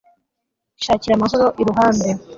shakira amahoro iruhande